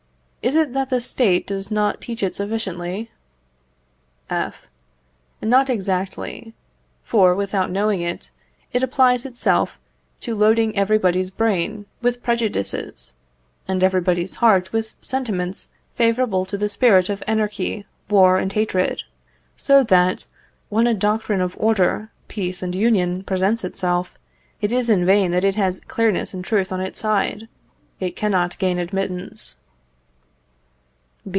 Is it that the State does not teach it sufficiently? F. Not exactly. For, without knowing it, it applies itself to loading everybody's brain with prejudices, and everybody's heart with sentiments favourable to the spirit of anarchy, war, and hatred; so that, when a doctrine of order, peace, and union presents itself, it is in vain that it has clearness and truth on its side, it cannot gain admittance.